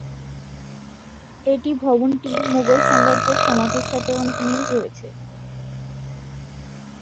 এটি ভবনটি মুঘল সাম্রাজ্যের সমাধির সাথে অনেক মিল রয়েছে।